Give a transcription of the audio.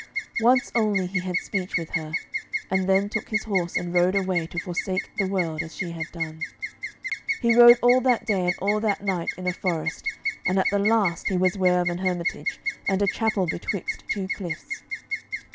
Once only he had speech with her, and then took his horse and rode away to forsake the world, as she had done. He rode all that day and all that night in a forest, and at the last he was ware of an hermitage and a chapel betwixt two cliffs.